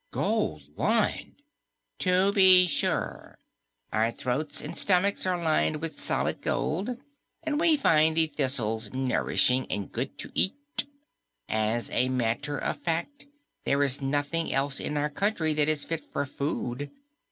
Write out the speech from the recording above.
"Gold lined!" "To be sure. Our throats and stomachs are lined with solid gold, and we find the thistles nourishing and good to eat. As a matter of fact, there is nothing else in our country that is fit for food.